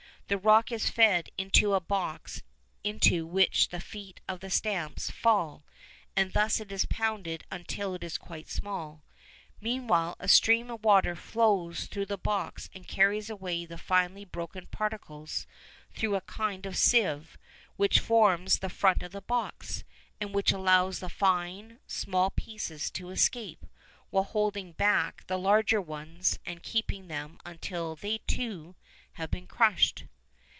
The rock is fed into a box into which the feet of the stamps fall, and thus it is pounded until it is quite small. Meanwhile a stream of water flows through the box and carries away the finely broken particles through a kind of sieve which forms the front of the box, and which allows the fine, small pieces to escape, while holding back the larger ones and keeping them until they too have been crushed.